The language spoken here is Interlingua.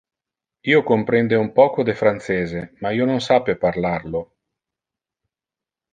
Io comprende un poco de francese ma io non sape parlar lo.